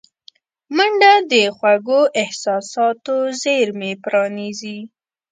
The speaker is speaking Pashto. منډه د خوږو احساساتو زېرمې پرانیزي